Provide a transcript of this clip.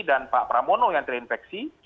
dan pak pramono yang terinfeksi